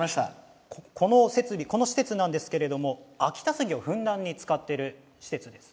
この設備この施設なんですけれども秋田杉をふんだんに使っている施設です。